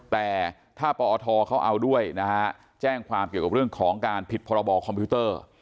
แต่ถ้าปอทเขาเอาด้วยนะฮะแจ้งความเกี่ยวกับเรื่องของการผิดพรบคอมพิวเตอร์